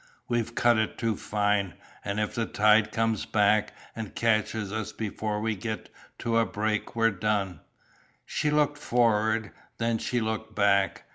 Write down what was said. We've cut it too fine and if the tide comes back and catches us before we get to a break we're done." She looked forward then she looked back.